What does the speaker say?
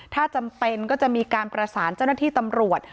ถ้าจำเป็นก็จะมีการประสานเจ้าหน้าที่ตำรวจ